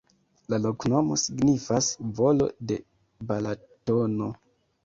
La loknomo signifas: volo de Balatono.